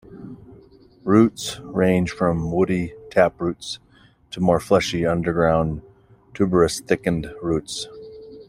Roots range from woody taproots to more fleshy underground tuberous-thickened roots.